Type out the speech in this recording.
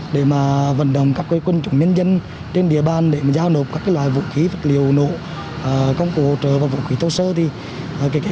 để vận động các cơ quân chủ nhân dân trên địa bàn để giao nộp các loại vũ khí vật liệu nổ công cụ hỗ trợ và vũ khí tự chế